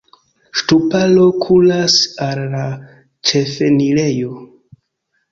Ŝtuparo kuras al la ĉefenirejo.